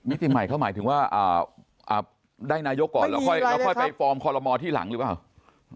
ติใหม่เขาหมายถึงว่าได้นายกก่อนแล้วค่อยไปฟอร์มคอลโมที่หลังหรือเปล่า